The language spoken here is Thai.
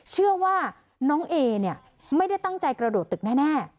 เชื่อว่าน้องเอเนี่ยไม่ได้ตั้งใจกระโดดตึกแน่